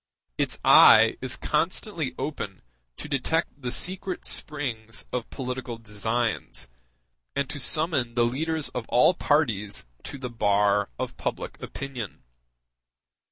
Its eye is constantly open to detect the secret springs of political designs, and to summon the leaders of all parties to the bar of public opinion.